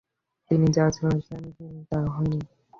তিনি যা চেয়েছিলেন তা হয়নি।